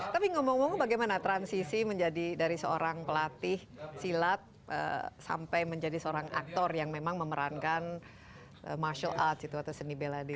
tapi ngomong ngomong bagaimana transisi menjadi dari seorang pelatih silat sampai menjadi seorang aktor yang memang memerankan martial arts itu atau seni bela diri